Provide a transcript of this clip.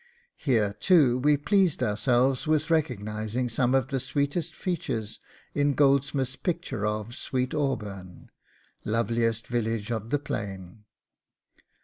... Here too we pleased ourselves with recognising some of the sweetest features in Goldsmith's picture of "Sweet Auburn! loveliest village of the plain."